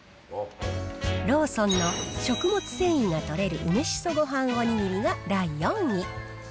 ローソンの食物繊維が摂れる梅しそごはんおにぎりが第４位。